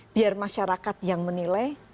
biar masyarakat yang menilai